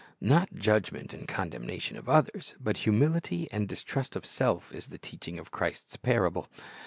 Not judgment and condemnation of others, but humility and distrust of self, is the teaching of Christ's parable.